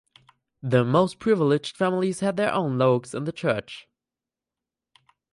The most privileged families had their own loges in the church.